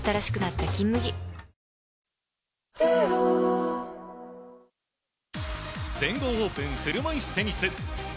だから全豪オープン車いすテニス。